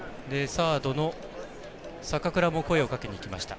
サードの坂倉も声をかけに行きました。